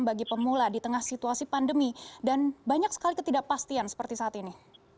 bagi pemula di tengah situasi pandemi dan banyak sekali ketidakpastian seperti saat ini